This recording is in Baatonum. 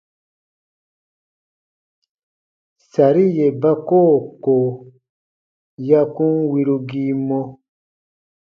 Sari yè ba koo ko ya kun wirugii mɔ.